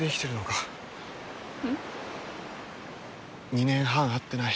２年半会ってない。